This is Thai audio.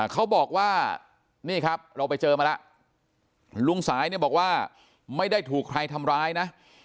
เขาบอกว่านี่ครับเราไปเจอมาแล้วลุงสายเนี่ยบอกว่าไม่ได้ถูกใครทำร้ายนะ